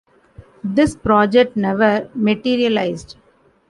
This project never materialized.